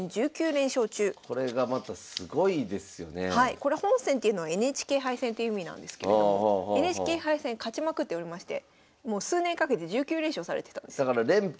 これ本戦というのはＮＨＫ杯戦という意味なんですけれどもＮＨＫ杯戦勝ちまくっておりましてもう数年かけて１９連勝されてたんです。